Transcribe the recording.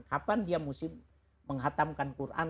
kapan dia mesti menghatamkan quran